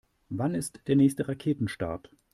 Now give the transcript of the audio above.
Wann ist der nächste Raketenstart?